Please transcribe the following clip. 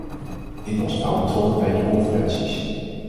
Ik was nauw betrokken bij die conferenties.